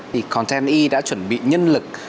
thì contente đã chuẩn bị nhân lực